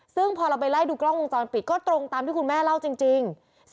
ซึ่งพอเราไปไล่ดูกล้องวงจรปิดก็ตรงตามที่คุณแม่เล่าจริง